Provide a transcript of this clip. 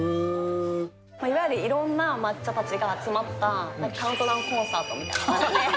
いわゆるいろんな抹茶たちが集まった、カウントダウンコンサートみたいな感じで。